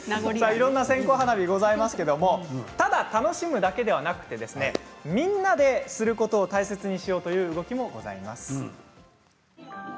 いろいろな線香花火がありますがただ楽しむだけでなくみんなですることを大切にしようという動きもあります。